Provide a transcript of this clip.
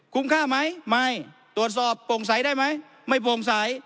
ค่าไหมไม่ตรวจสอบโปร่งใสได้ไหมไม่โปร่งใส